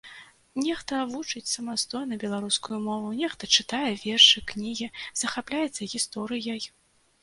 Нехта вучыць самастойна беларускую мову, нехта чытае вершы, кнігі, захапляецца гісторыяй.